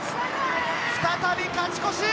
再び勝ち越し！